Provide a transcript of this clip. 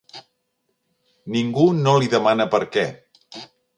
Ningú no li demana per què.